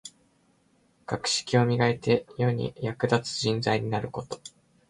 学識を磨いて、世に役立つ人材になること。